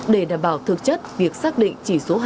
để đảm bảo thực chất việc xác định chỉ phục vụ công trình